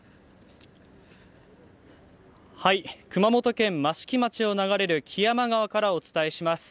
熊本県益城町を流れる木山川からお伝えします。